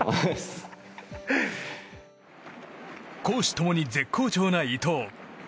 公私ともに絶好調な伊東。